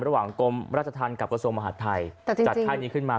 กรมราชธรรมกับกระทรวงมหาดไทยจัดค่ายนี้ขึ้นมา